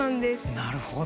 なるほど。